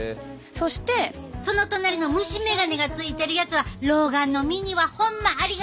その隣の虫眼鏡がついてるやつは老眼の身にはホンマありがたいわ。